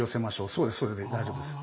そうですそれで大丈夫ですよ。